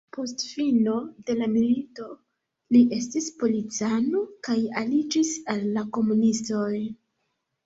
Post fino de la milito li estis policano kaj aliĝis al la komunistoj.